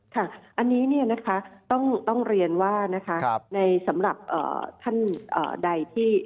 ค่ะอันนี้ต้องเรียนว่าในสำหรับท่านใดที่